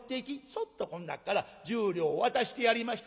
そっとこん中から１０両を渡してやりましてね。